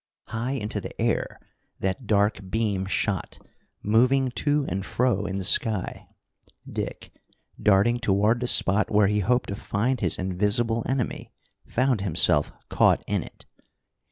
High into the air that dark beam shot, moving to and fro in the sky. Dick, darting toward the spot where he hoped to find his invisible enemy, found himself caught in it.